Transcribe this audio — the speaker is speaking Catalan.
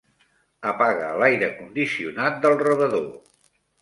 Apaga l'aire condicionat del rebedor.